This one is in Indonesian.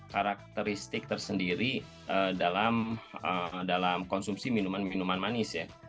karakteristik tersendiri dalam konsumsi minuman minuman manis ya